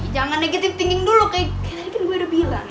jangan negitive thinking dulu kayak tadi kan gue udah bilang